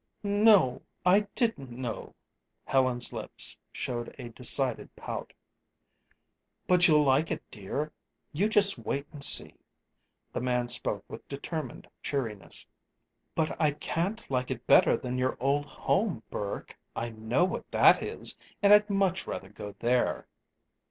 "No, I didn't know." Helen's lips showed a decided pout. "But you'll like it, dear. You just wait and see." The man spoke with determined cheeriness. "But I can't like it better than your old home, Burke. I know what that is, and I'd much rather go there."